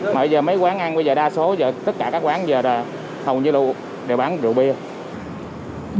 mà bây giờ mấy quán ăn bây giờ đa số tất cả các quán bây giờ là hầu như đều bán rượu bia